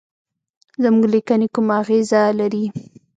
زموږ لیکني کومه اغیزه لري.